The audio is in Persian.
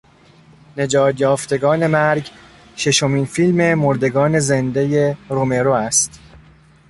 "نجات یافتگان مرگ" ششمین فیلم " مردگان زنده " رومرو است.